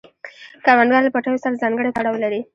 کروندګر له پټیو سره ځانګړی تړاو لري